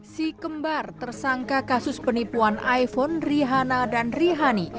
si kembar tersangka kasus penipuan iphone rihana dan rihani